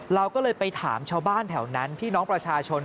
เราก็เลยไปถามชาวบ้านแถวนั้นพี่น้องประชาชน